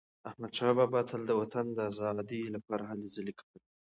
احمدشاه بابا تل د وطن د ازادی لپاره هلې ځلي کولي.